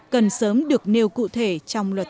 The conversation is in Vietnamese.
cần sớm được nêu cụ thể trong luật sách